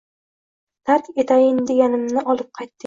Tark etayin deganimni olib qaytding